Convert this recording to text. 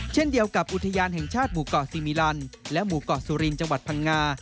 เช่นเดียวกับอุทยานแห่งชาติหมู่เกาะซีมิลันและหมู่เกาะสุรินจังหวัดพังงา